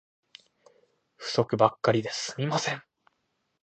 不足ばっかりで進みません